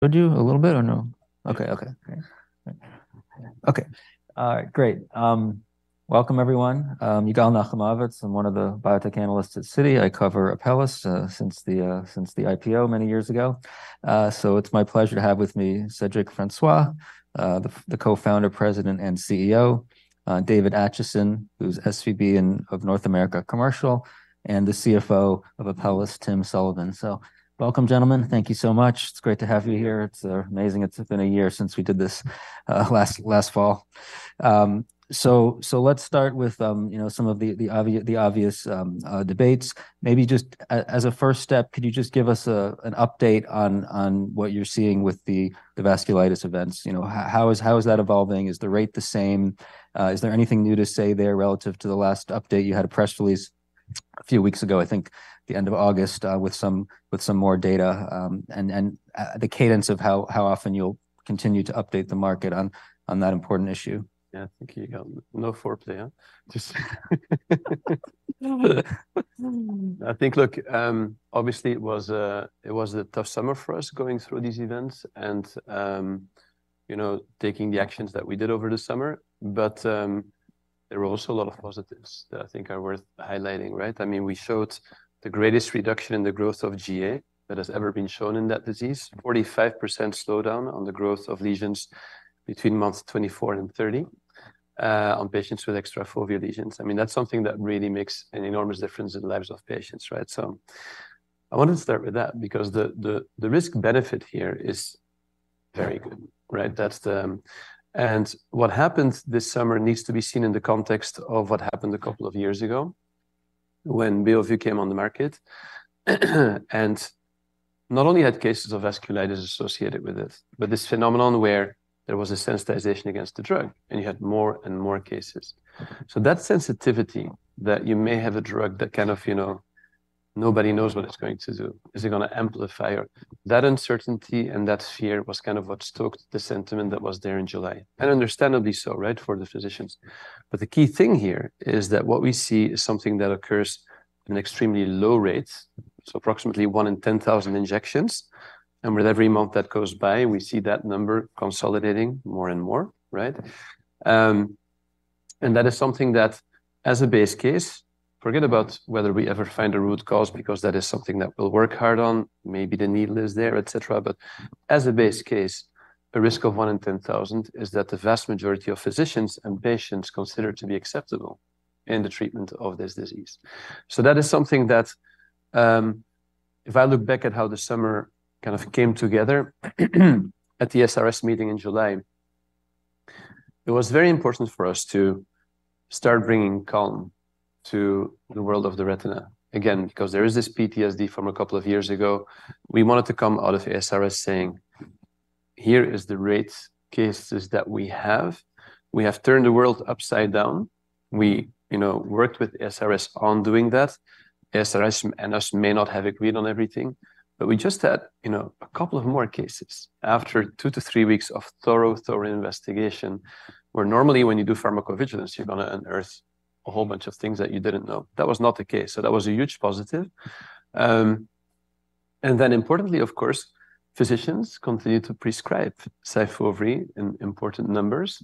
Could you? A little bit or no? Okay, okay, great. Okay, great. Welcome everyone. Yigal Nochomovitz, I'm one of the Biotech Analysts at Citi. I cover Apellis since the IPO many years ago. So it's my pleasure to have with me Cedric Francois, the Co-Founder, President, and CEO; David Acheson, who's SVP of North America Commercial; and the CFO of Apellis, Tim Sullivan. So welcome, gentlemen. Thank you so much. It's great to have you here. It's amazing it's been a year since we did this last fall. So let's start with you know, some of the obvious debates. Maybe just as a first step, could you just give us an update on what you're seeing with the vasculitis events? You know, how is that evolving? Is the rate the same? Is there anything new to say there relative to the last update? You had a press release a few weeks ago, I think the end of August, with some more data. And the cadence of how often you'll continue to update the market on that important issue. Yeah. Thank you, Yigal. No foreplay, huh? Just... I think, look, obviously it was a tough summer for us, going through these events and, you know, taking the actions that we did over the summer. But, there were also a lot of positives that I think are worth highlighting, right? I mean, we showed the greatest reduction in the growth of GA that has ever been shown in that disease. 45% slowdown on the growth of lesions between months 24 and 30, on patients with extrafoveal lesions. I mean, that's something that really makes an enormous difference in the lives of patients, right? So I wanted to start with that because the risk-benefit here is very good, right? What happened this summer needs to be seen in the context of what happened a couple of years ago when Beovu came on the market. Not only you had cases of vasculitis associated with it, but this phenomenon where there was a sensitization against the drug, and you had more and more cases. That sensitivity that you may have a drug that kind of, you know, nobody knows what it's going to do, is it gonna amplify that uncertainty and that fear was kind of what stoked the sentiment that was there in July, and understandably so, right? For the physicians. The key thing here is that what we see is something that occurs in extremely low rates, so approximately one in 10,000 injections. With every month that goes by, we see that number consolidating more and more, right? And that is something that, as a base case, forget about whether we ever find a root cause because that is something that we'll work hard on. Maybe the needle is there, et cetera. But as a base case, a risk of one in 10,000 is that the vast majority of physicians and patients consider to be acceptable in the treatment of this disease. So that is something that, if I look back at how the summer kind of came together, at the ASRS meeting in July, it was very important for us to start bringing calm to the world of the retina. Again, because there is this PTSD from a couple of years ago. We wanted to come out of ASRS saying: Here is the rare cases that we have. We have turned the world upside down. We, you know, worked with ASRS on doing that. ASRS and us may not have agreed on everything, but we just had, you know, a couple of more cases after two to three weeks of thorough, thorough investigation. Where normally, when you do pharmacovigilance, you're gonna unearth a whole bunch of things that you didn't know. That was not the case. So that was a huge positive. And then importantly, of course, physicians continued to prescribe SYFOVRE in important numbers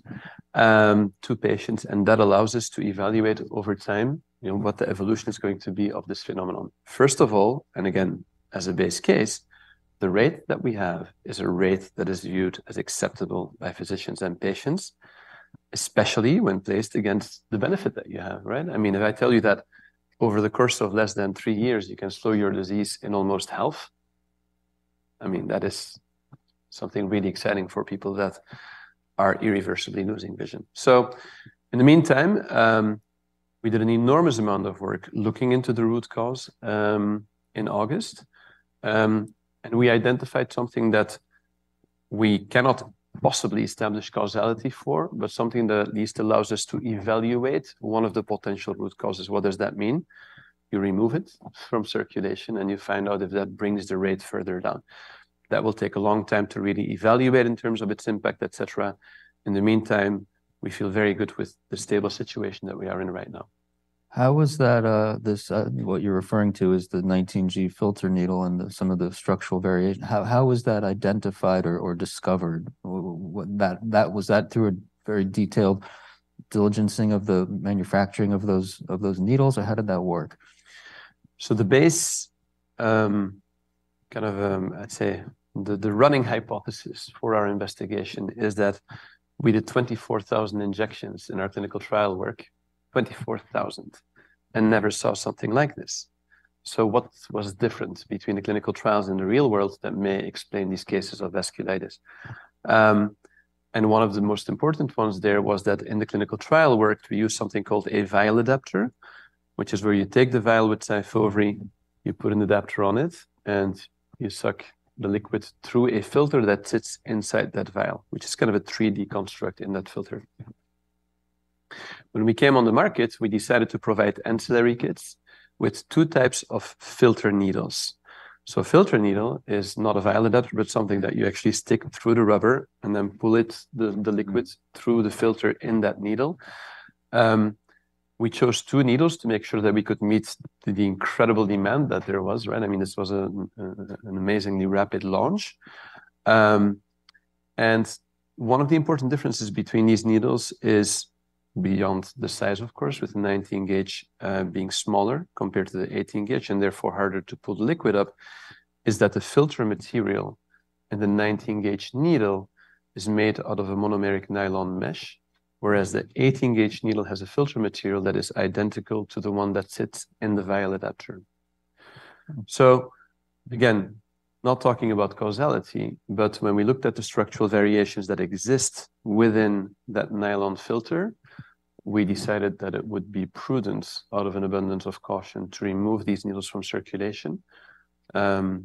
to patients, and that allows us to evaluate over time, you know, what the evolution is going to be of this phenomenon. First of all, and again, as a base case, the rate that we have is a rate that is viewed as acceptable by physicians and patients, especially when placed against the benefit that you have, right? I mean, if I tell you that over the course of less than three years, you can slow your disease in almost half, I mean, that is something really exciting for people that are irreversibly losing vision. So in the meantime, we did an enormous amount of work looking into the root cause, in August. And we identified something that we cannot possibly establish causality for, but something that at least allows us to evaluate one of the potential root causes. What does that mean? You remove it from circulation, and you find out if that brings the rate further down. That will take a long time to really evaluate in terms of its impact, et cetera. In the meantime, we feel very good with the stable situation that we are in right now. How was that? What you're referring to is the 19G filter needle and some of the structural variation. How was that identified or discovered? Well, was that through a very detailed diligencing of the manufacturing of those needles, or how did that work? So the base, kind of, I'd say the, the running hypothesis for our investigation is that we did 24,000 injections in our clinical trial work, 24,000, and never saw something like this. So what was different between the clinical trials and the real world that may explain these cases of vasculitis? And one of the most important ones there was that in the clinical trial work, we used something called a vial adapter, which is where you take the vial with SYFOVRE, you put an adapter on it, and you suck the liquid through a filter that sits inside that vial, which is kind of a 3D construct in that filter. When we came on the market, we decided to provide ancillary kits with two types of filter needles. So a filter needle is not a vial adapter, but something that you actually stick through the rubber and then pull it, the liquids through the filter in that needle. We chose two needles to make sure that we could meet the incredible demand that there was, right? I mean, this was an amazingly rapid launch. And one of the important differences between these needles is beyond the size, of course, with 19-gauge being smaller compared to the 18-gauge, and therefore harder to pull liquid up, is that the filter material in the 19-gauge needle is made out of a monomeric nylon mesh, whereas the 18-gauge needle has a filter material that is identical to the one that sits in the vial adapter. So again, not talking about causality, but when we looked at the structural variations that exist within that nylon filter, we decided that it would be prudent out of an abundance of caution to remove these needles from circulation, and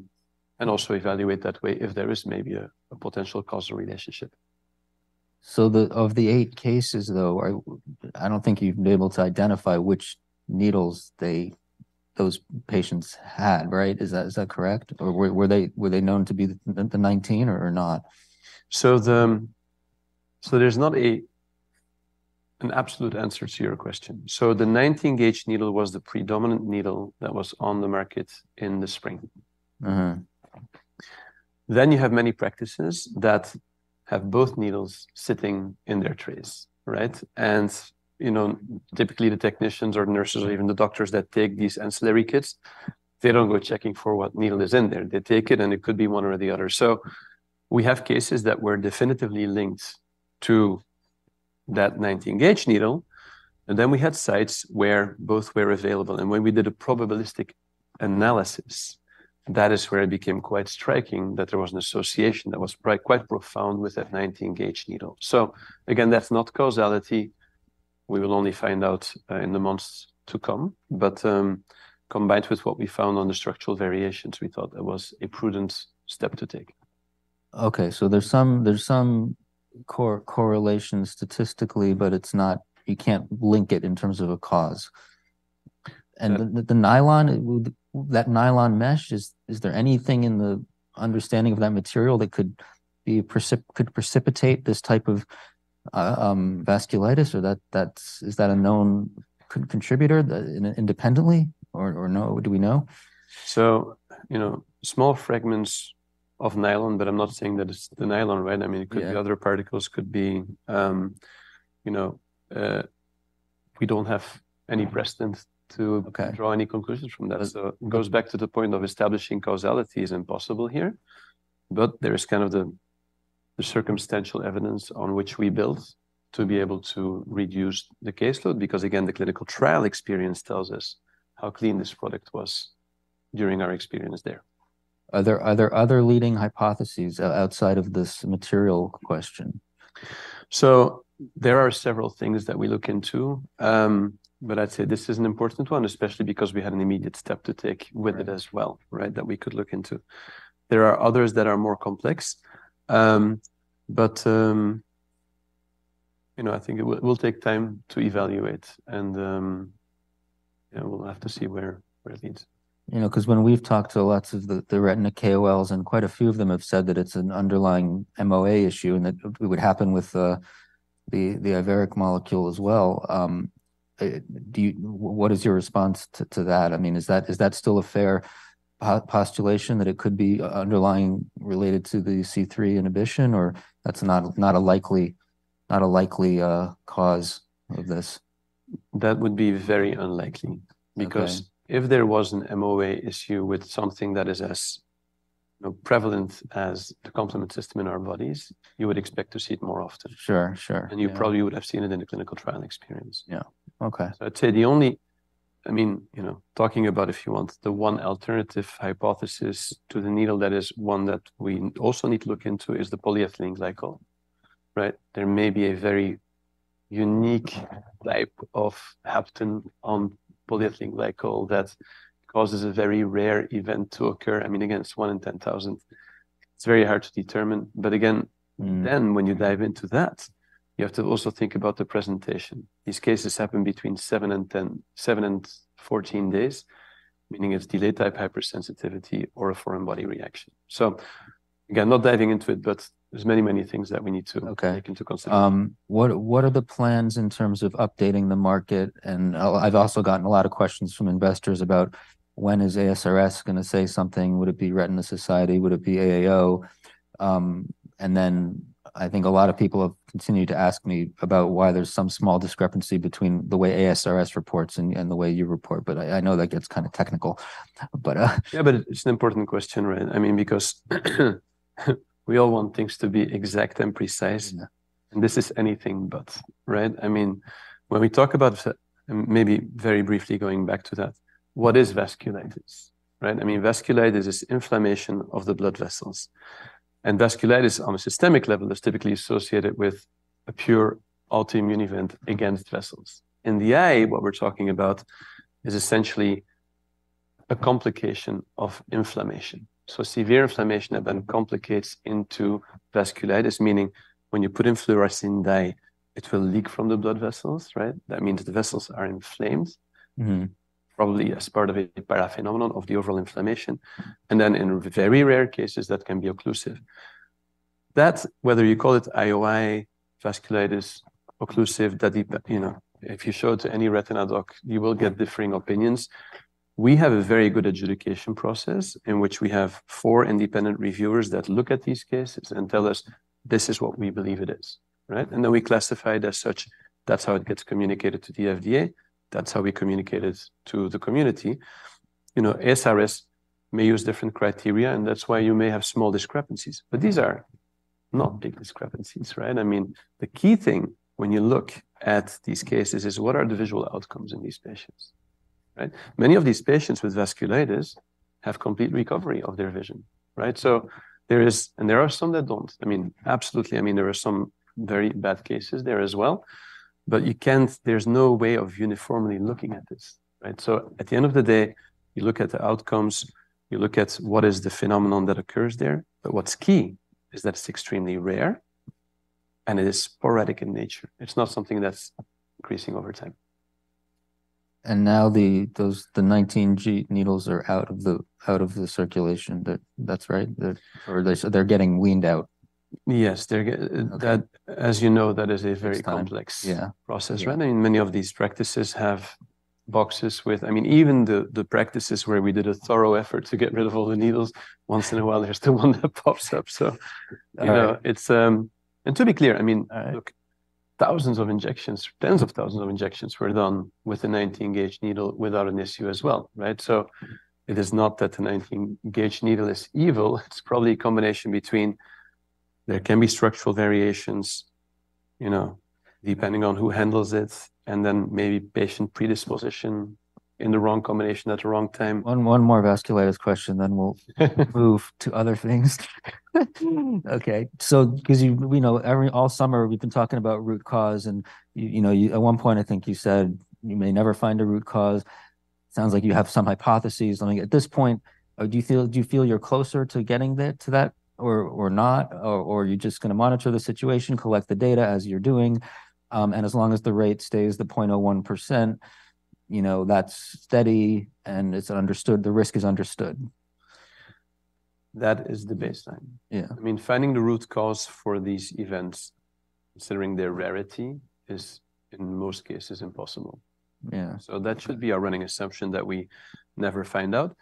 also evaluate that way if there is maybe a potential causal relationship. So, of the eight cases, though, I don't think you've been able to identify which needles those patients had, right? Is that correct? Or were they known to be the 19 or not? So there's not an absolute answer to your question. So the 19-gauge needle was the predominant needle that was on the market in the spring. Mm-hmm. Then you have many practices that have both needles sitting in their trays, right? You know, typically the technicians or nurses or even the doctors that take these ancillary kits, they don't go checking for what needle is in there. They take it, and it could be one or the other. So we have cases that were definitively linked to that 19-gauge needle, and then we had sites where both were available. When we did a probabilistic analysis, that is where it became quite striking that there was an association that was quite profound with that 19-gauge needle. So again, that's not causality. We will only find out in the months to come. But combined with what we found on the structural variations, we thought that was a prudent step to take. Okay, so there's some correlation statistically, but it's not—you can't link it in terms of a cause. Yeah. The nylon mesh, is there anything in the understanding of that material that could precipitate this type of vasculitis, or is that a known contributor independently or no? Do we know? So, you know, small fragments of nylon, but I'm not saying that it's the nylon, right? Yeah. I mean, it could be other particles, could be, you know, we don't have any precedent- Okay. To draw any conclusions from that. Okay. So it goes back to the point of establishing causality is impossible here, but there is kind of the circumstantial evidence on which we built to be able to reduce the caseload, because, again, the clinical trial experience tells us how clean this product was during our experience there. Are there other leading hypotheses outside of this material question? So, there are several things that we look into, but I'd say this is an important one, especially because we had an immediate step to take with it. Right. As well, right? That we could look into. There are others that are more complex. But, you know, I think it will take time to evaluate and, yeah, we'll have to see where it leads. You know, 'cause when we've talked to lots of the retina KOLs, and quite a few of them have said that it's an underlying MOA issue and that it would happen with the Iveric molecule as well, do you—what is your response to that? I mean, is that still a fair postulation, that it could be underlying related to the C3 inhibition, or that's not a likely cause of this? That would be very unlikely. Okay. Because if there was an MOA issue with something that is as, you know, prevalent as the complement system in our bodies, you would expect to see it more often. Sure, sure. You probably would have seen it in the clinical trial experience. Yeah. Okay. So I'd say the only, I mean, you know, talking about, if you want, the one alternative hypothesis to the needle, that is one that we also need to look into is the polyethylene glycol, right? There may be a very unique type of hapten on polyethylene glycol that causes a very rare event to occur. I mean, again, it's one in 10,000. It's very hard to determine. But again- Mm. Then when you dive into that, you have to also think about the presentation. These cases happen between seven and 14 days, meaning it's delayed type hypersensitivity or a foreign body reaction. So again, not diving into it, but there's many, many things that we need to- Okay. Take into consideration. What are the plans in terms of updating the market? And I'll, I've also gotten a lot of questions from investors about when is ASRS gonna say something? Would it be Retina Society? Would it be AAO? And then I think a lot of people have continued to ask me about why there's some small discrepancy between the way ASRS reports and the way you report, but I know that gets kind of technical, but. Yeah, but it's an important question, right? I mean, because we all want things to be exact and precise. Yeah. This is anything but, right? I mean, when we talk about, maybe very briefly going back to that, what is vasculitis, right? I mean, vasculitis is inflammation of the blood vessels, and vasculitis on a systemic level is typically associated with a pure autoimmune event against vessels. In the eye, what we're talking about is essentially a complication of inflammation. So severe inflammation that then complicates into vasculitis, meaning when you put in fluorescein dye, it will leak from the blood vessels, right? That means the vessels are inflamed. Mm-hmm. Probably as part of a paraphenomenon of the overall inflammation, and then in very rare cases, that can be occlusive. That, whether you call it IOI, vasculitis, occlusive, that it, but, you know, if you show it to any retina doc, you will get differing opinions. We have a very good adjudication process in which we have four independent reviewers that look at these cases and tell us, "This is what we believe it is." Right? And then we classify it as such. That's how it gets communicated to the FDA, that's how we communicate it to the community. You know, ASRS may use different criteria, and that's why you may have small discrepancies, but these are not big discrepancies, right? I mean, the key thing when you look at these cases is what are the visual outcomes in these patients, right? Many of these patients with vasculitis have complete recovery of their vision, right? So there are some that don't. I mean, absolutely, I mean, there are some very bad cases there as well, but you can't, there's no way of uniformly looking at this, right? So at the end of the day, you look at the outcomes, you look at what is the phenomenon that occurs there. But what's key is that it's extremely rare, and it is sporadic in nature. It's not something that's increasing over time. Now those 19-G needles are out of circulation. That's right? Or they say they're getting weaned out. Yes, they're get- Okay. That, as you know, that is a very- It's complex. Complex, yeah, process, right? I mean, many of these practices have boxes with, I mean, even the practices where we did a thorough effort to get rid of all the needles, once in a while, there's still one that pops up. So. All right. You know, it's. And to be clear, I mean- Uh. Look, thousands of injections, tens of thousands of injections were done with a 19-gauge needle without an issue as well, right? So it is not that the 19-gauge needle is evil. It's probably a combination between there can be structural variations, you know, depending on who handles it, and then maybe patient predisposition in the wrong combination at the wrong time. One more vasculitis question, then we'll move to other things. Okay. So because we know all summer, we've been talking about root cause, and you know, you at one point, I think you said you may never find a root cause. Sounds like you have some hypotheses. I think at this point, do you feel, do you feel you're closer to getting that, to that or, or not? Or, or you're just gonna monitor the situation, collect the data as you're doing, and as long as the rate stays the 0.01%, you know, that's steady and it's understood, the risk is understood? That is the baseline. Yeah. I mean, finding the root cause for these events, considering their rarity, is in most cases impossible. Yeah. So that should be our running assumption that we never find out.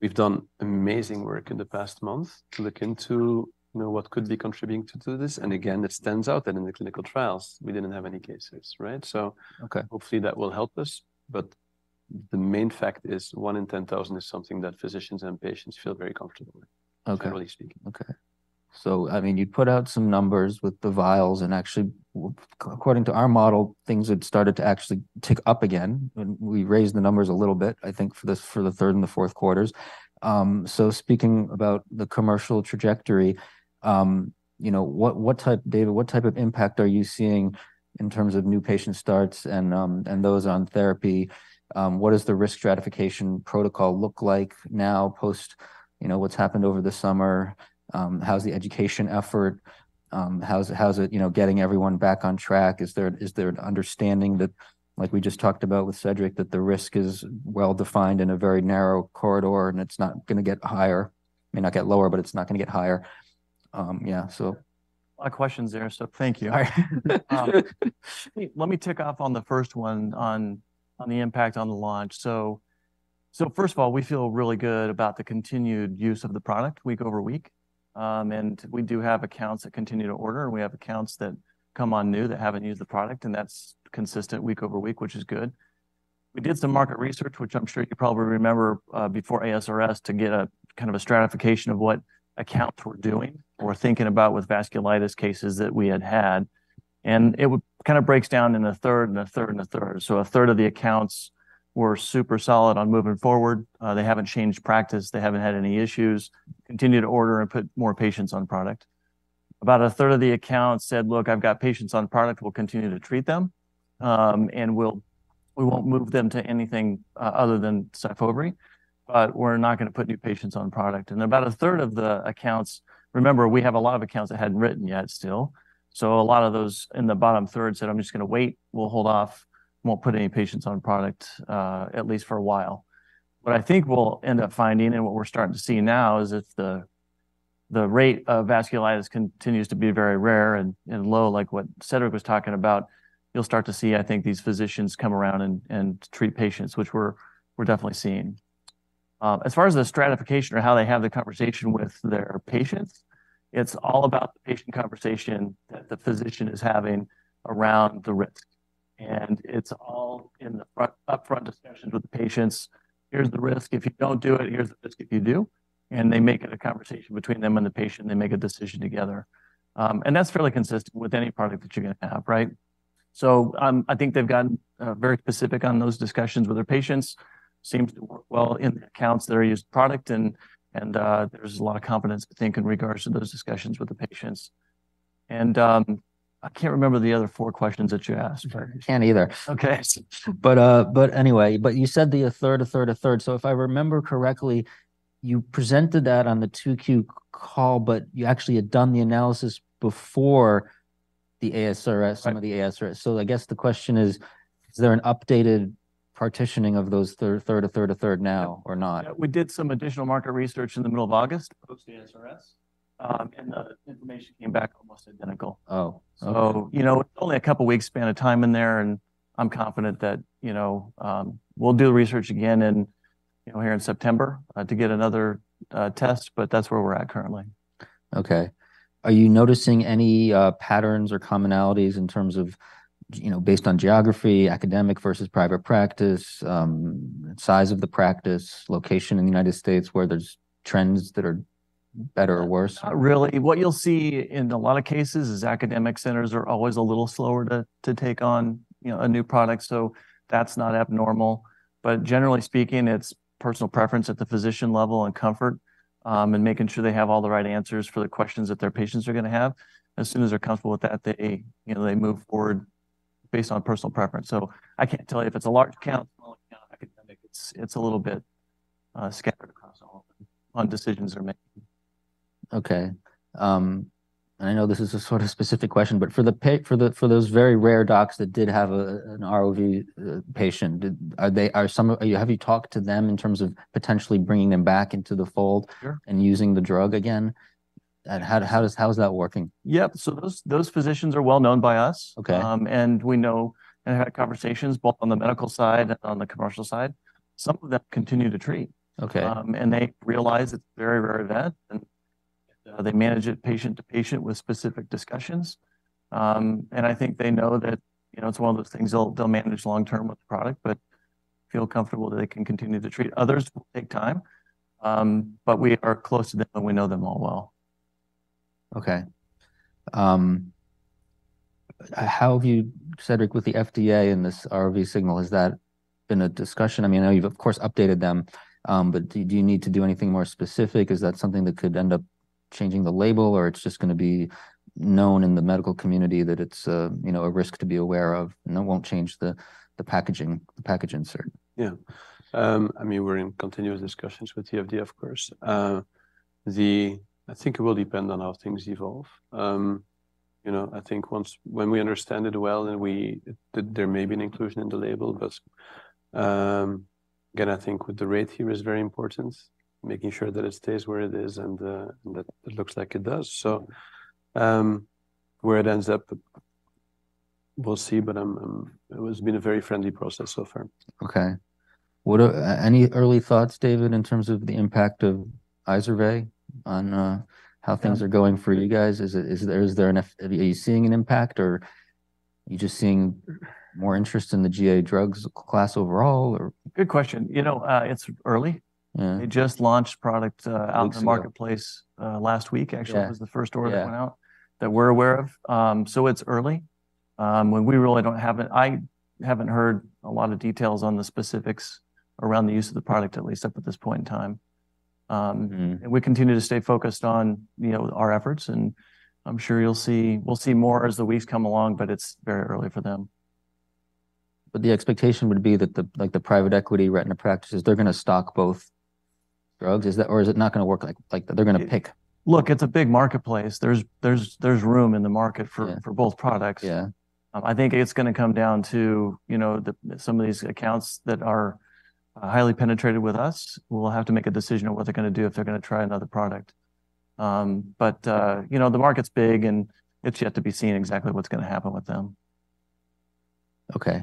We've done amazing work in the past month to look into, you know, what could be contributing to this. And again, it stands out that in the clinical trials, we didn't have any cases, right? So. Okay. Hopefully, that will help us. But the main fact is one in 10,000 is something that physicians and patients feel very comfortable with. Okay. Generally speaking. Okay. So, I mean, you put out some numbers with the vials, and actually, according to our model, things had started to actually tick up again, and we raised the numbers a little bit, I think for the third and the fourth quarters. So speaking about the commercial trajectory, you know, what type, David, what type of impact are you seeing in terms of new patient starts and those on therapy? What does the risk stratification protocol look like now post, you know, what's happened over the summer? How's the education effort? How's it, you know, getting everyone back on track? Is there an understanding that, like we just talked about with Cedric, that the risk is well defined in a very narrow corridor, and it's not gonna get higher? It may not get lower, but it's not gonna get higher. Yeah, so. A lot of questions there, so thank you. Let me tick off on the first one on the impact on the launch. So first of all, we feel really good about the continued use of the product week over week. And we do have accounts that continue to order, and we have accounts that come on new that haven't used the product, and that's consistent week over week, which is good. We did some market research, which I'm sure you probably remember, before ASRS, to get a kind of a stratification of what accounts were doing or thinking about with vasculitis cases that we had had. And it kind of breaks down into 1/3, and 1/3, and 1/3. So 1/3 of the accounts were super solid on moving forward. They haven't changed practice, they haven't had any issues, continue to order and put more patients on product. About 1/3 of the accounts said: "Look, I've got patients on product, we'll continue to treat them, and we won't move them to anything other than SYFOVRE, but we're not gonna put new patients on product." And about 1/3 of the accounts, remember, we have a lot of accounts that hadn't written yet still, so a lot of those in the bottom third said: "I'm just gonna wait. We'll hold off. Won't put any patients on product, at least for a while." What I think we'll end up finding, and what we're starting to see now, is if the rate of vasculitis continues to be very rare and low, like what Cedric was talking about, you'll start to see, I think, these physicians come around and treat patients, which we're definitely seeing. As far as the stratification or how they have the conversation with their patients, it's all about the patient conversation that the physician is having around the risk. And it's all in the upfront discussions with the patients. "Here's the risk if you don't do it, here's the risk if you do." And they make it a conversation between them and the patient, they make a decision together. And that's fairly consistent with any product that you're gonna have, right? So, I think they've gotten very specific on those discussions with their patients. Seems to work well in the accounts that are used product, and there's a lot of confidence, I think, in regards to those discussions with the patients. And, I can't remember the other four questions that you asked, but- I can't either. Okay. But anyway, you said the 1/3, 1/3, 1/3. So if I remember correctly, you presented that on the 2Q call, but you actually had done the analysis before the ASRS. Right. Some of the ASRS. So I guess the question is, is there an updated partitioning of those 1/3, 1/3, 1/3 now or not? We did some additional market research in the middle of August, post the ASRS, and the information came back almost identical. Oh, okay. So, you know, only a couple weeks span of time in there, and I'm confident that, you know, we'll do research again in, you know, here in September, to get another test, but that's where we're at currently. Okay. Are you noticing any patterns or commonalities in terms of, you know, based on geography, academic versus private practice, size of the practice, location in the United States, where there's trends that are better or worse? Not really. What you'll see in a lot of cases is academic centers are always a little slower to take on, you know, a new product, so that's not abnormal. But generally speaking, it's personal preference at the physician level and comfort and making sure they have all the right answers for the questions that their patients are gonna have. As soon as they're comfortable with that, they, you know, they move forward based on personal preference. So I can't tell you if it's a large count, small count, academic. It's a little bit scattered across all on decisions are made. Okay. And I know this is a sort of specific question, but for those very rare docs that did have an ROV patient, did, are they, are some of, have you talked to them in terms of potentially bringing them back into the fold? Sure. And using the drug again? And how, how does, how is that working? Yep. So those, those physicians are well known by us. Okay. We know and had conversations both on the medical side and on the commercial side. Some of them continue to treat. Okay. They realize it's a very rare event, and they manage it patient to patient with specific discussions. I think they know that, you know, it's one of those things they'll manage long term with the product, but feel comfortable that they can continue to treat others will take time. But we are close to them, and we know them all well. Okay. How have you, Cedric, with the FDA and this ROV signal, has that been a discussion? I mean, I know you've, of course, updated them, but do you need to do anything more specific? Is that something that could end up changing the label, or it's just gonna be known in the medical community that it's, you know, a risk to be aware of, and it won't change the packaging, the package insert? Yeah. I mean, we're in continuous discussions with the FDA, of course. I think it will depend on how things evolve. You know, I think once when we understand it well, then there may be an inclusion in the label, but again, I think with the rate here is very important, making sure that it stays where it is and that it looks like it does. So, where it ends up, we'll see, but I'm it has been a very friendly process so far. Okay. What are any early thoughts, David, in terms of the impact of IZERVAY on how things- Yeah. Are going for you guys? Is it, is there, is there enough, are you seeing an impact, or are you just seeing more interest in the GA drugs class overall, or? Good question. You know, it's early. Yeah. We just launched product. Weeks ago. Out in the marketplace, last week actually- Yeah. Was the first order that went out. Yeah. That we're aware of. So it's early. When we really don't have it, I haven't heard a lot of details on the specifics around the use of the product, at least up at this point in time. Mm-hmm. And we continue to stay focused on, you know, our efforts, and I'm sure you'll see, we'll see more as the weeks come along, but it's very early for them. But the expectation would be that the, like, the private equity retina practices, they're gonna stock both drugs. Is that, or is it not gonna work like, like they're gonna pick? Look, it's a big marketplace. There's room in the market for- Yeah. For both products. Yeah. I think it's gonna come down to, you know, some of these accounts that are highly penetrated with us will have to make a decision on what they're gonna do if they're gonna try another product. But, you know, the market's big, and it's yet to be seen exactly what's gonna happen with them. Okay.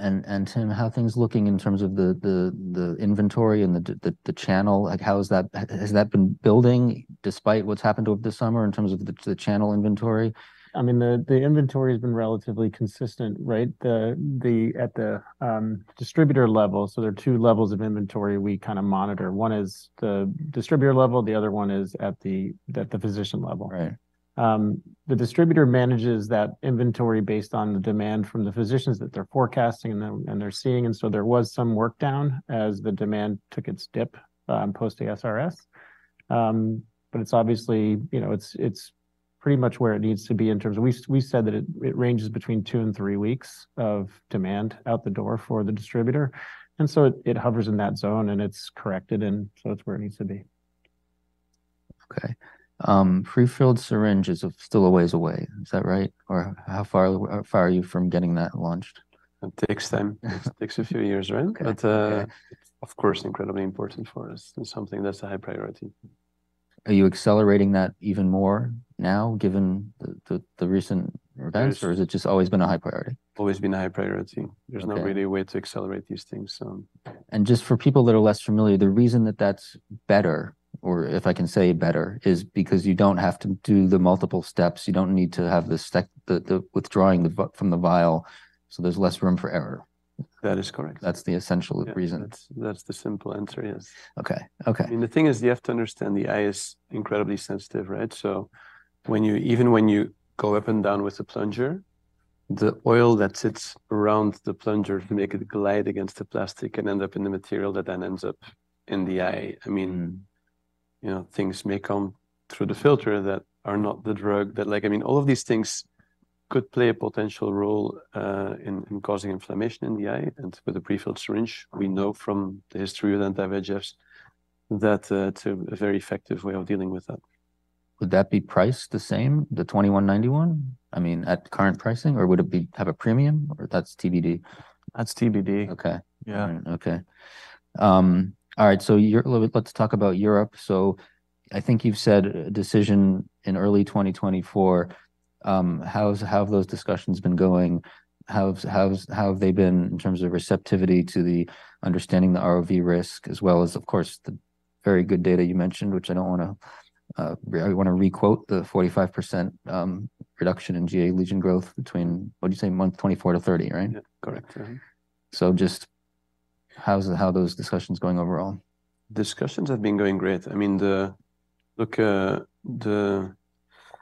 And Tim, how are things looking in terms of the inventory and the channel? Like, how is that, has that been building despite what's happened over the summer in terms of the channel inventory? I mean, the inventory has been relatively consistent, right? At the distributor level, so there are two levels of inventory we kind of monitor. One is the distributor level, the other one is at the physician level. Right. The distributor manages that inventory based on the demand from the physicians that they're forecasting and then, and they're seeing, and so there was some work down as the demand took its dip, post the ASRS. But it's obviously, you know, it's, it's pretty much where it needs to be in terms of we, we said that it, it ranges between two and three weeks of demand out the door for the distributor, and so it, it hovers in that zone, and it's corrected, and so it's where it needs to be. Okay. Pre-filled syringe is still a ways away. Is that right? Or how far away, how far are you from getting that launched? It takes time. It takes a few years, right? Okay. But, of course, incredibly important for us and something that's a high priority. Are you accelerating that even more now, given the recent events. Yes Or has it just always been a high priority? Always been a high priority. Okay. There's not really a way to accelerate these things, so. Just for people that are less familiar, the reason that that's better, or if I can say better, is because you don't have to do the multiple steps. You don't need to have the withdrawing from the vial, so there's less room for error. That is correct. That's the essential reason. Yeah. That's, that's the simple answer, yes. Okay. Okay. I mean, the thing is, you have to understand, the eye is incredibly sensitive, right? So when you, even when you go up and down with the plunger, the oil that sits around the plunger to make it glide against the plastic can end up in the material that then ends up in the eye. I mean. Mm-hmm. You know, things may come through the filter that are not the drug, that like, I mean, all of these things could play a potential role in, in causing inflammation in the eye. And with the pre-filled syringe, we know from the history of anti-VEGFs that it's a very effective way of dealing with that. Would that be priced the same, the $21.91? I mean, at current pricing, or would it have a premium, or that's TBD? That's TBD. Okay. Yeah. Okay. All right, so Europe. Let's talk about Europe. So I think you've said decision in early 2024. How have those discussions been going? How have they been in terms of receptivity to the understanding the ROV risk, as well as, of course, the very good data you mentioned, which I don't want to, I want to requote the 45% reduction in GA lesion growth between, what did you say? Month 24 to 30, right? Yeah. Correct. Mm-hmm. So, just how are those discussions going overall? Discussions have been going great. I mean, look,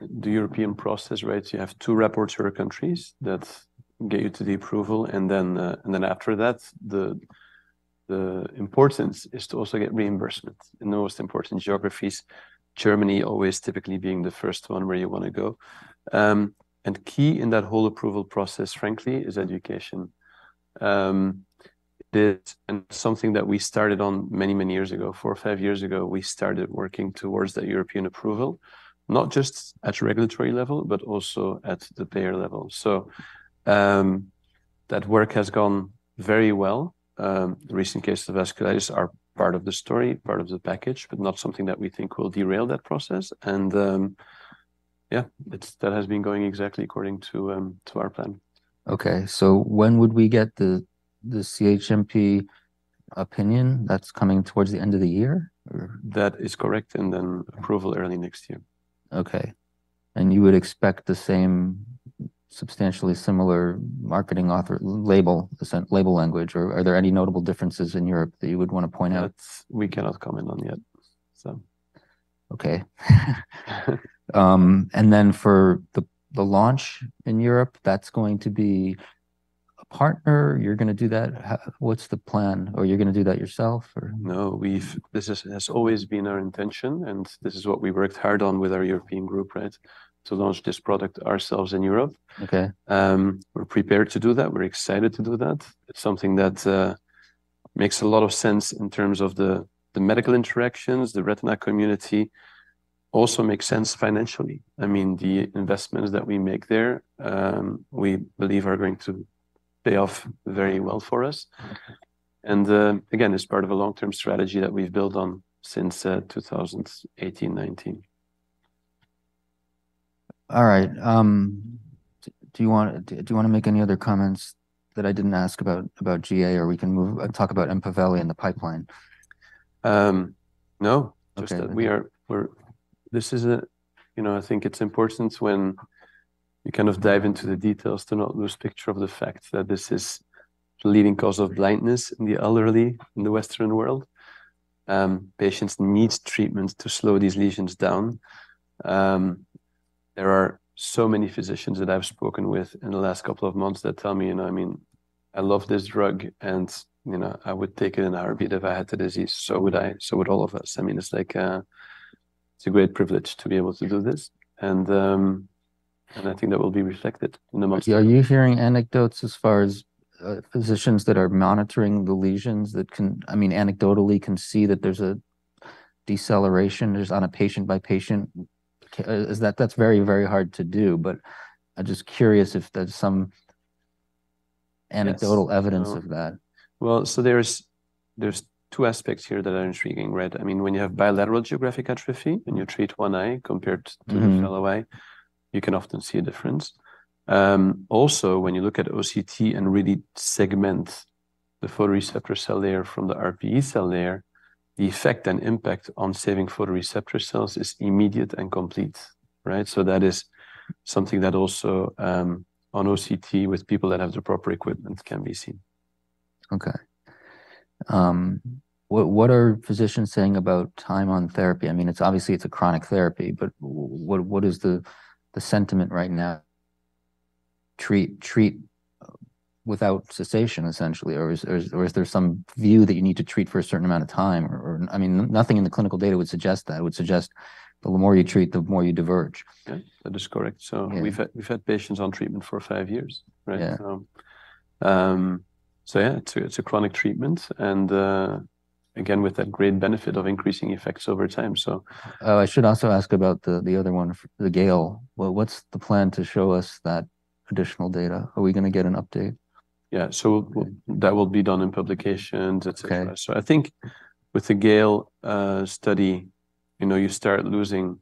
the European process, right? You have two rapporteur countries that get you to the approval, and then, and then after that, the importance is to also get reimbursement in the most important geographies. Germany always typically being the first one where you want to go. Key in that whole approval process, frankly, is education. It and something that we started on many, many years ago. Four or five years ago, we started working towards the European approval, not just at a regulatory level, but also at the payer level. So, that work has gone very well. The recent case of the vasculitis are part of the story, part of the package, but not something that we think will derail that process. Yeah, that has been going exactly according to our plan. Okay. So when would we get the CHMP opinion? That's coming towards the end of the year, or? That is correct, and then approval early next year. Okay. And you would expect the same substantially similar marketing authorization label language, or are there any notable differences in Europe that you would want to point out? We cannot comment on yet, so. Okay. And then for the launch in Europe, that's going to be a partner? You're gonna do that? What's the plan? Or you're gonna do that yourself, or? No, this has always been our intention, and this is what we worked hard on with our European group, right? To launch this product ourselves in Europe. Okay. We're prepared to do that. We're excited to do that. It's something that makes a lot of sense in terms of the medical interactions, the retina community. Also makes sense financially. I mean, the investments that we make there, we believe are going to pay off very well for us. Okay. Again, it's part of a long-term strategy that we've built on since 2018, 2019. All right, do you want, do you want to make any other comments that I didn't ask about, about GA, or we can move to talk about EMPAVELI and the pipeline? Um, no. Okay. Just that we are. You know, I think it's important when you kind of dive into the details to not lose picture of the fact that this is the leading cause of blindness in the elderly in the Western world. Patients need treatments to slow these lesions down. There are so many physicians that I've spoken with in the last couple of months that tell me, "You know, I mean, I love this drug, and, you know, I would take it in a heartbeat if I had the disease." So would I, so would all of us. I mean, it's like, it's a great privilege to be able to do this, and, and I think that will be reflected in the market. Are you hearing anecdotes as far as physicians that are monitoring the lesions that can—I mean, anecdotally can see that there's a deceleration just on a patient-by-patient? Is that, that's very, very hard to do, but I'm just curious if there's some. Yes. Anecdotal evidence of that. Well, so there's two aspects here that are intriguing, right? I mean, when you have bilateral Geographic Atrophy, and you treat one eye compared to- Mm-hmm. The fellow eye, you can often see a difference. Also, when you look at OCT and really segment the photoreceptor cell layer from the RPE cell layer, the effect and impact on saving photoreceptor cells is immediate and complete, right? So that is something that also, on OCT, with people that have the proper equipment, can be seen. Okay. What are physicians saying about time on therapy? I mean, it's obviously a chronic therapy, but what is the sentiment right now? Treat without cessation, essentially, or is there some view that you need to treat for a certain amount of time or, I mean, nothing in the clinical data would suggest that. It would suggest the more you treat, the more you diverge. Yeah, that is correct. Yeah. We've had, we've had patients on treatment for five years, right? Yeah. So yeah, it's a chronic treatment, and again, with that great benefit of increasing effects over time, so. Oh, I should also ask about the other one, the GALE. What's the plan to show us that additional data? Are we gonna get an update? Yeah. So. Okay. That will be done in publications, et cetera. Okay. I think with the GALE study, you know, you start losing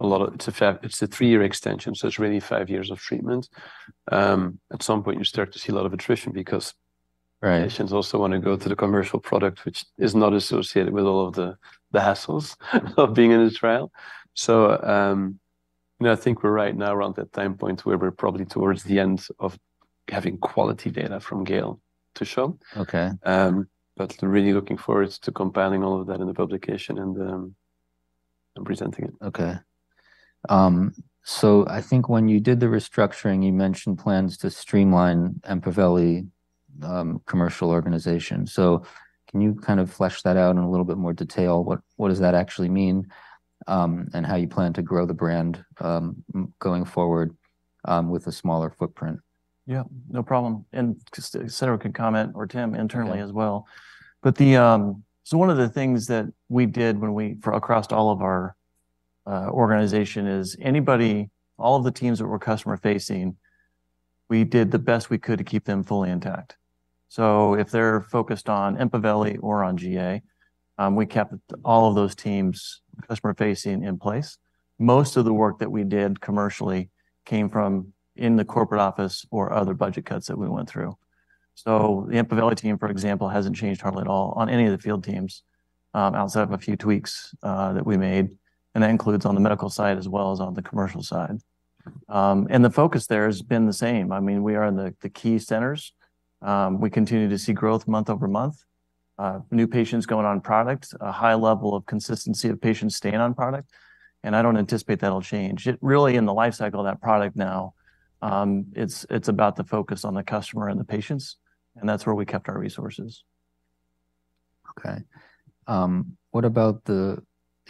a lot of... It's a three-year extension, so it's really five years of treatment. At some point, you start to see a lot of attrition because- Right Patients also want to go to the commercial product, which is not associated with all of the hassles of being in a trial. So, you know, I think we're right now around that time point where we're probably towards the end of having quality data from GALE to show. Okay. But really looking forward to compiling all of that in the publication and presenting it. Okay. So I think when you did the restructuring, you mentioned plans to streamline EMPAVELI commercial organization. So can you kind of flesh that out in a little bit more detail? What does that actually mean, and how you plan to grow the brand going forward with a smaller footprint? Yeah, no problem. Just Cedric can comment or Tim internally as well. Yeah. So one of the things that we did when we for across all of our organization is anybody, all of the teams that were customer-facing, we did the best we could to keep them fully intact. So if they're focused on EMPAVELI or on GA, we kept all of those teams customer-facing in place. Most of the work that we did commercially came from in the corporate office or other budget cuts that we went through. So the EMPAVELI team, for example, hasn't changed hardly at all on any of the field teams, outside of a few tweaks that we made, and that includes on the medical side as well as on the commercial side. And the focus there has been the same. I mean, we are in the key centers. We continue to see growth month-over-month, new patients going on product, a high level of consistency of patients staying on product, and I don't anticipate that'll change. It's really in the life cycle of that product now. It's about the focus on the customer and the patients, and that's where we kept our resources. Okay. What about the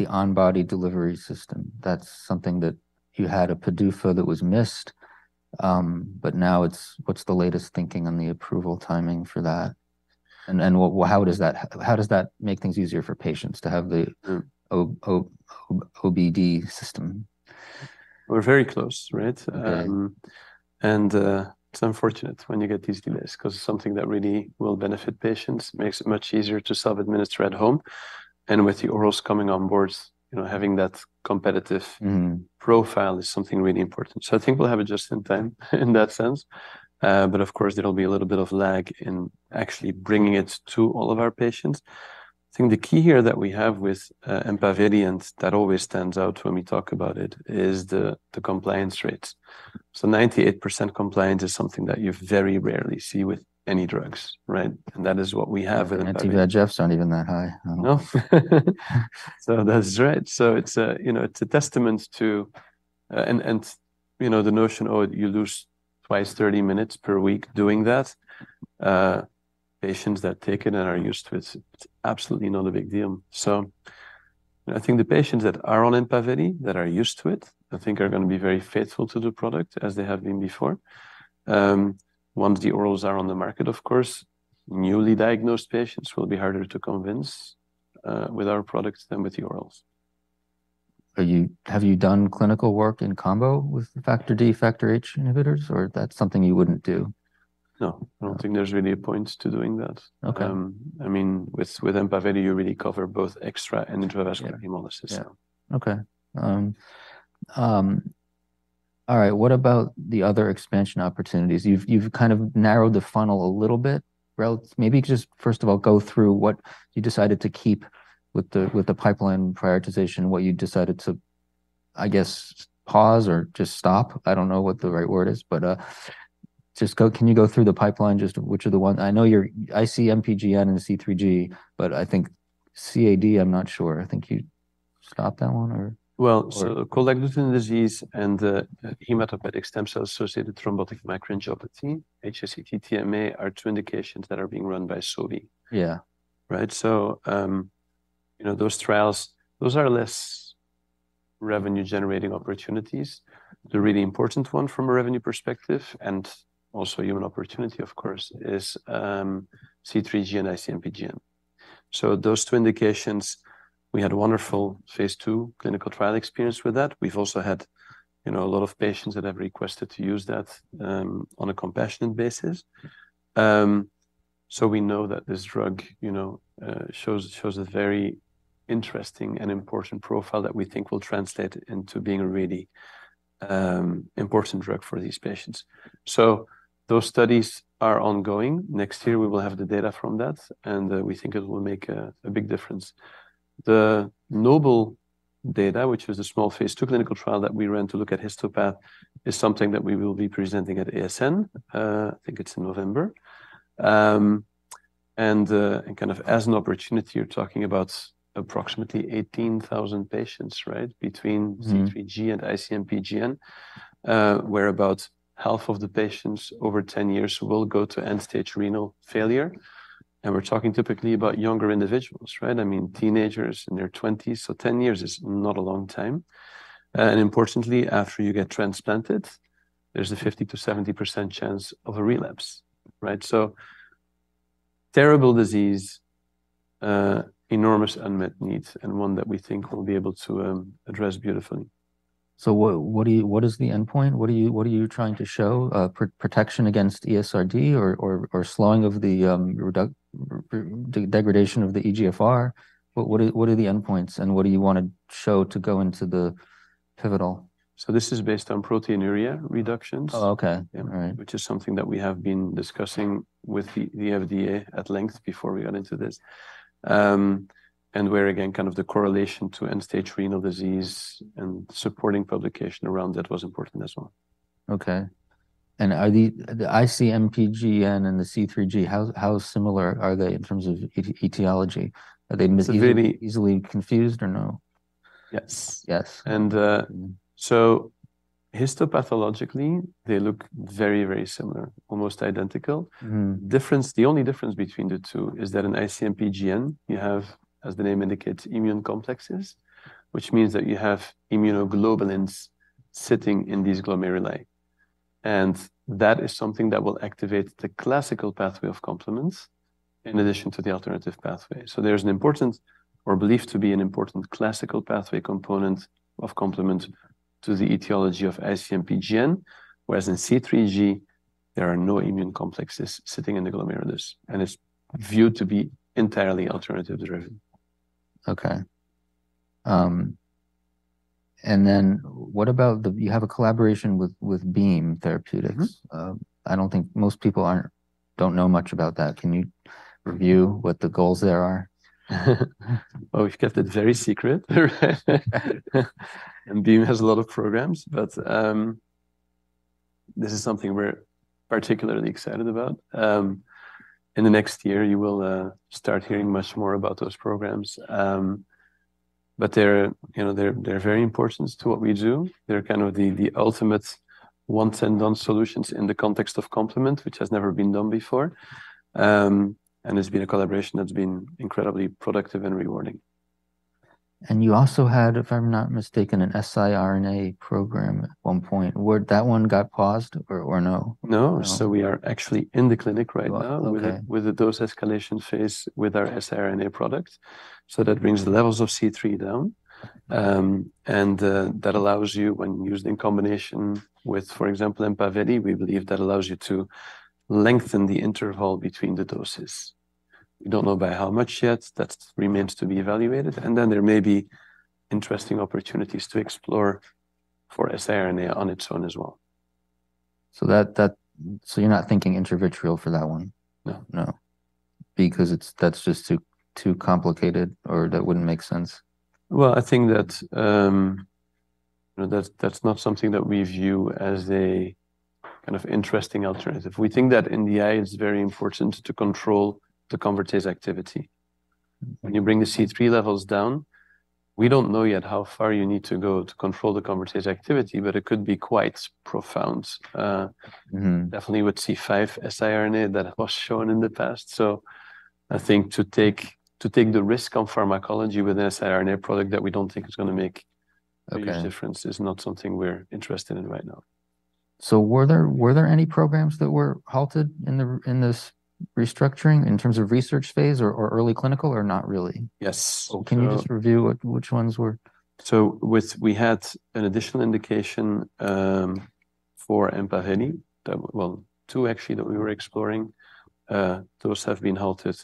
on-body delivery system? That's something that you had a PDUFA that was missed, but now it's what's the latest thinking on the approval timing for that? And what, how does that make things easier for patients to have the- Mm. OBD system? We're very close, right? Okay. It's unfortunate when you get these delays 'cause it's something that really will benefit patients. Makes it much easier to self-administer at home, and with the orals coming on board, you know, having that competitive- Mm. Profile is something really important. So I think we'll have it just in time in that sense. But of course, there'll be a little bit of lag in actually bringing it to all of our patients. I think the key here that we have with EMPAVELI, and that always stands out when we talk about it, is the compliance rates. So 98% compliance is something that you very rarely see with any drugs, right? And that is what we have in EMPAVELI. Anti-VEGF aren't even that high at all. No. So that's right. So it's a, you know, it's a testament to, and you know, the notion, oh, you lose twice 30 minutes per week doing that, patients that take it and are used to it, it's absolutely not a big deal. So I think the patients that are on EMPAVELI, that are used to it, I think are gonna be very faithful to the product as they have been before. Once the orals are on the market, of course, newly diagnosed patients will be harder to convince with our products than with the orals. Have you done clinical work in combo with the Factor D, Factor H inhibitors, or that's something you wouldn't do? No. I don't think there's really a point to doing that. Okay. I mean, with EMPAVELI you really cover both extravascular and intravascular hemolysis. Yeah. Okay. All right, what about the other expansion opportunities? You've, you've kind of narrowed the funnel a little bit. Well, maybe just first of all, go through what you decided to keep with the, with the pipeline prioritization, what you decided to, I guess, pause or just stop. I don't know what the right word is, but, just go. Can you go through the pipeline? Just which are the ones I know I see MPGN and C3G, but I think CAD, I'm not sure. I think you stopped that one or. Well- Or? So Cold Agglutinin Disease and the Hematopoietic Stem Cell Transplant-Associated Thrombotic Microangiopathy, HSCT-TMA, are two indications that are being run by Sobi. Yeah. Right? So, you know, those trials, those are less revenue-generating opportunities. The really important one from a revenue perspective, and also human opportunity, of course, is C3G and IC-MPGN. So those two indications, we had a wonderful phase II clinical trial experience with that. We've also had, you know, a lot of patients that have requested to use that, on a compassionate basis. So we know that this drug, you know, shows a very interesting and important profile that we think will translate into being a really, important drug for these patients. So those studies are ongoing. Next year, we will have the data from that, and, we think it will make a big difference. The NOBLE data, which was a small phase II clinical trial that we ran to look at histopath, is something that we will be presenting at ASN. I think it's in November. Kind of as an opportunity, you're talking about approximately 18,000 patients, right? Between- Mm. C3G and IC-MPGN, where about half of the patients over 10 years will go to end-stage renal failure. We're talking typically about younger individuals, right? I mean, teenagers in their 20's, so 10 years is not a long time. Importantly, after you get transplanted, there's a 50%-70% chance of a relapse, right? Terrible disease, enormous unmet needs, and one that we think we'll be able to address beautifully. So, what do you, what is the endpoint? What are you trying to show, protection against ESRD or slowing of the degradation of the eGFR? What are the endpoints, and what do you want to show to go into the pivotal? This is based on proteinuria reductions. Oh, okay. Yeah. All right. Which is something that we have been discussing with the FDA at length before we got into this. And where, again, kind of the correlation to End-Stage Renal Disease and supporting publication around that was important as well. Okay. And are the IC-MPGN and the C3G, how similar are they in terms of etiology? Are they- So they- Easily confused or no? Yes. Yes. Histopathologically, they look very, very similar, almost identical. Mm-hmm. The only difference between the two is that in IC-MPGN, you have, as the name indicates, immune complexes, which means that you have immunoglobulins sitting in these glomeruli. That is something that will activate the classical pathway of complement in addition to the alternative pathway. There's an important or believed to be an important classical pathway component of complement to the etiology of IC-MPGN, whereas in C3G, there are no immune complexes sitting in the glomerulus, and it's viewed to be entirely alternative-driven. Okay. And then what about the, you have a collaboration with Beam Therapeutics? Mm-hmm. I don't think most people don't know much about that. Can you review what the goals there are? Oh, we've kept it very secret. Beam has a lot of programs, but this is something we're particularly excited about. In the next year, you will start hearing much more about those programs. But they're, you know, they're, they're very important to what we do. They're kind of the ultimate once and done solutions in the context of complement, which has never been done before. It's been a collaboration that's been incredibly productive and rewarding. And you also had, if I'm not mistaken, an siRNA program at one point. Where that one got paused or, or no? No. No. We are actually in the clinic right now. Oh, okay With a dose escalation phase with our siRNA product. So that brings the levels of C3 down. And that allows you, when used in combination with, for example, EMPAVELI, we believe that allows you to lengthen the interval between the doses. We don't know by how much yet. That remains to be evaluated, and then there may be interesting opportunities to explore for siRNA on its own as well. So you're not thinking intravitreal for that one? No. No. Because it's, that's just too, too complicated, or that wouldn't make sense? Well, I think that, you know, that's not something that we view as a kind of interesting alternative. We think that in the eye, it's very important to control the convertase activity. Mm-hmm. When you bring the C3 levels down, we don't know yet how far you need to go to control the convertase activity, but it could be quite profound. Mm-hmm. Definitely with C5 siRNA, that was shown in the past. So I think to take, to take the risk on pharmacology with an siRNA product that we don't think is gonna make- Okay. A huge difference is not something we're interested in right now. Were there any programs that were halted in this restructuring in terms of research phase or early clinical, or not really? Yes. So. Can you just review which ones were? We had an additional indication for EMPAVELI that, well, two actually, that we were exploring. Those have been halted.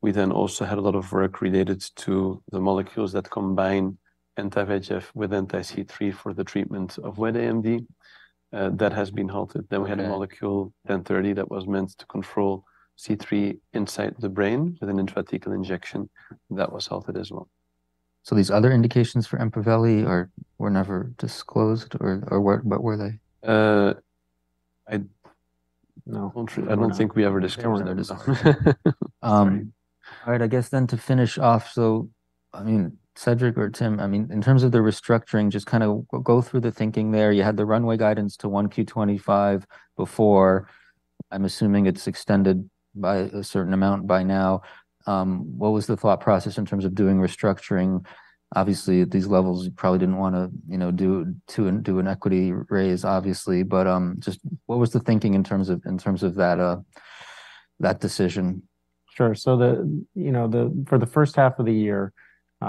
We then also had a lot of work related to the molecules that combine anti-VEGF with anti-C3 for the treatment of wet AMD that has been halted. Okay. Then we had a molecule, N=30, that was meant to control C3 inside the brain with an intrathecal injection, that was halted as well. So these other indications for EMPAVELI were never disclosed, or were they? No, I don't think we ever discussed them as well. All right. I guess then to finish off. So, I mean, Cedric or Tim, I mean, in terms of the restructuring, just kind of go through the thinking there. You had the runway guidance to 1Q 2025 before. I'm assuming it's extended by a certain amount by now. What was the thought process in terms of doing restructuring? Obviously, at these levels, you probably didn't wanna, you know, do two, do an equity raise, obviously, but just what was the thinking in terms of, in terms of that, that decision? Sure. So the, you know, for the first half of the year,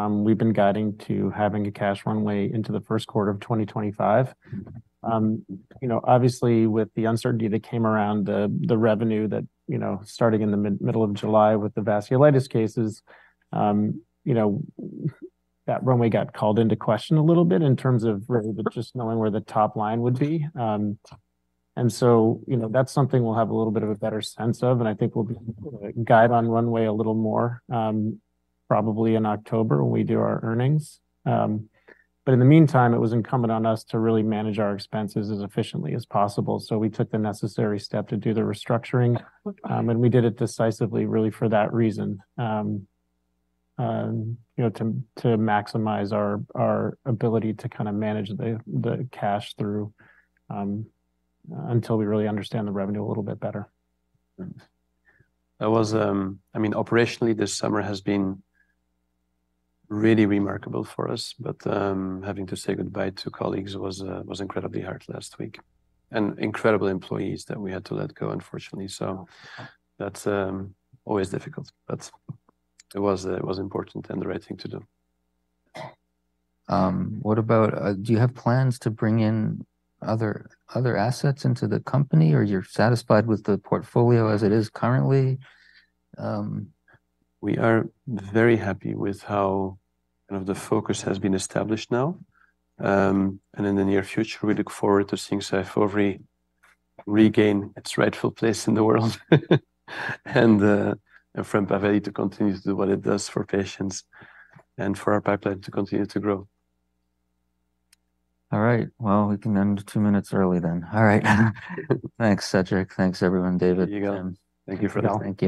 we've been guiding to having a cash runway into the first quarter of 2025. You know, obviously, with the uncertainty that came around the, the revenue that, you know, starting in the middle of July with the vasculitis cases, you know, that runway got called into question a little bit in terms of really just knowing where the top line would be. And so, you know, that's something we'll have a little bit of a better sense of, and I think we'll be, guide on runway a little more, probably in October when we do our earnings. But in the meantime, it was incumbent on us to really manage our expenses as efficiently as possible. So we took the necessary step to do the restructuring, and we did it decisively, really, for that reason. You know, to maximize our ability to kind of manage the cash through until we really understand the revenue a little bit better. That was, I mean, operationally, this summer has been really remarkable for us, but, having to say goodbye to colleagues was incredibly hard last week, and incredible employees that we had to let go, unfortunately. So that's always difficult, but it was important and the right thing to do. What about, do you have plans to bring in other assets into the company, or you're satisfied with the portfolio as it is currently? We are very happy with how, you know, the focus has been established now. In the near future, we look forward to seeing SYFOVRE regain its rightful place in the world, and, and for EMPAVELI to continue to do what it does for patients, and for our pipeline to continue to grow. All right. Well, we can end two minutes early then. All right. Thanks, Cedric. Thanks, everyone, David. There you go. Thank you for that. Thank you.